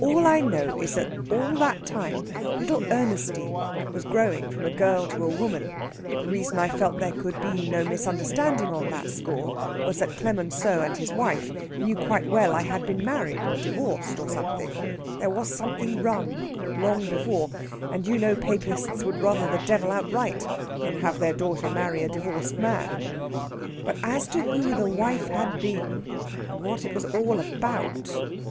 All I know is that all that time little Ernestine was growing from a girl to a woman, the reason I felt there could be no misunderstanding on that score was that Clemenceau and his wife knew quite well I had been married and divorced or something there was something rum, long before and you know Papists would rather the Devil outright than have their daughter marry a divorced man. But as to who the wife had been, and what it was all about...."